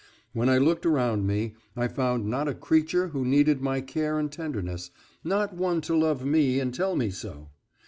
When I looked around me I found not a creature who needed my care and tenderness, not one to love me and tell me so.